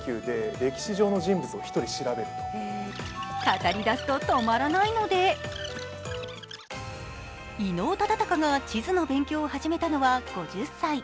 語りだすと止まらないので伊能忠敬が地図の勉強を始めたのは５０歳。